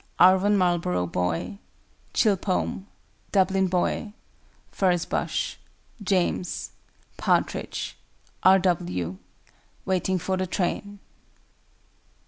ARVON MARLBOROUGH BOY. CHILPOME. DUBLIN BOY. FURZE BUSH. JAMES. PARTRIDGE. R. W. WAITING FOR THE TRAIN.